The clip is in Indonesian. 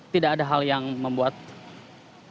tidak ada hal yang membuat